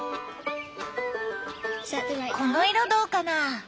この色どうかな？